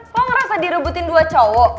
kok ngerasa direbutin dua cowok